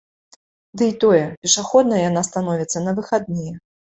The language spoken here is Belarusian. Дый тое, пешаходнай яна становіцца на выхадныя.